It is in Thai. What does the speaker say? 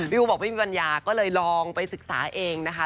พี่อู๋บอกไม่มีบรรยาก็เลยลองไปศึกษาเองนะคะ